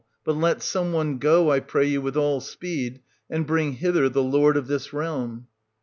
— But let some one go, I pray you, with all speed, and bring hither the lord of this real m.